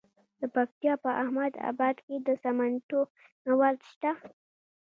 د پکتیا په احمد اباد کې د سمنټو مواد شته.